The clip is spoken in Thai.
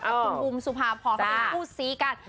กับคุณบูมสุภาพอร์เขาเป็นคู่ซีกัน